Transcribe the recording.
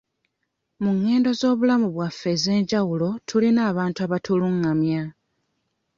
Mu ngendo z'obulamu bwaffe ez'enjawulo tulina abantu abatulungamya.